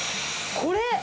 これ！